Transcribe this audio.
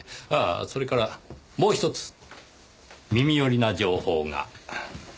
ああそれからもうひとつ耳寄りな情報が。